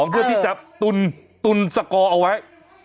ด้วยที่จะตุนสกอร์เอาไว้